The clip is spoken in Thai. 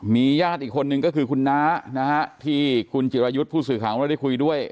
มีญาติอีกคนนึงก็คือคุณน้าที่คุณกิรายุทธ์ภูตสื่อข้างว่าได้คุยด้วย